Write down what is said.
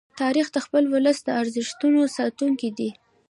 تاریخ د خپل ولس د ارزښتونو ساتونکی دی.